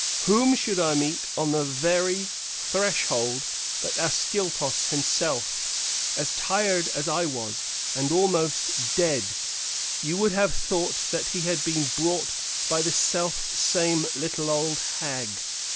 whom should I meet on the very threshold but Ascyltos himself, as tired as I was, and almost dead; you would have thought that he had been brought by the self same little old hag!